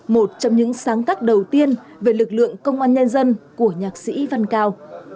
một trong những sáng tác đầu tiên về lực lượng công an nhân dân của nhạc sĩ văn cao